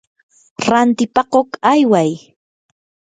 rantipakuq ayway.